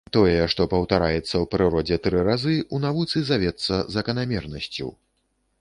Тое, што паўтараецца ў прыродзе тры разы, у навуцы завецца заканамернасцю.